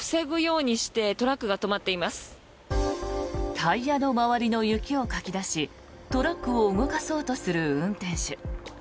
タイヤの周りの雪をかき出しトラックを動かそうとする運転手。